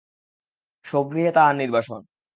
স্বগৃহে তাহার নির্বাসন।